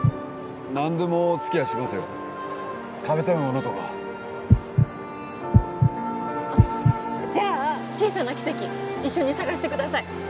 何でもお付き合いしますよ食べたいものとかあっじゃあ小さな奇跡一緒に探してください